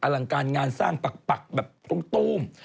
ลังการงานสร้างปักแบบตุ้ม